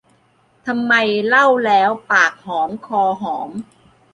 ทำไมเล่าแล้วปากหอมคอหอม